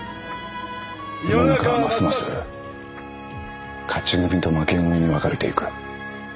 世の中はますます勝ち組と負け組に分かれていく。